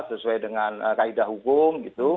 sesuai dengan kaedah hukum gitu